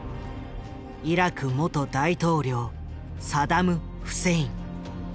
イラク元大統領サダム・フセイン。